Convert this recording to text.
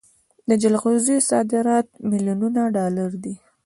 د جلغوزیو صادرات میلیونونه ډالر دي.